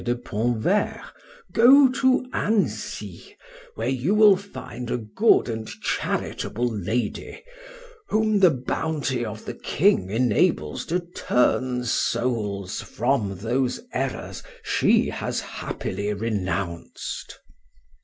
de Pontverre; "go to Annecy, where you will find a good and charitable lady, whom the bounty of the king enables to turn souls from those errors she has happily renounced."